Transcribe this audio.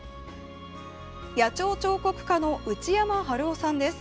野鳥彫刻家の内山春雄さんです。